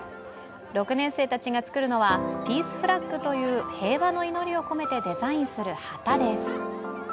６年生たちが作るのはピースフラッグという塀和の祈りを込めてデザインする旗です。